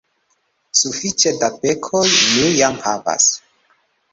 sufiĉe da pekoj mi jam havas.